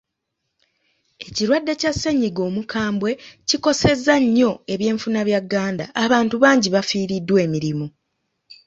Ekirwadde kya ssennyiga omukambwe kikosezza nnyo ebyenfuna bya ganda, bantu bangi bafiiriddwa emirimu.